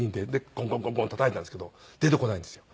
コンコンコンコンたたいたんですけど出てこないんですよ。